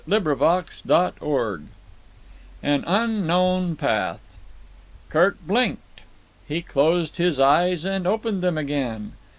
Chapter II. An Unknown Path Kirk blinked. He closed his eyes and opened them again.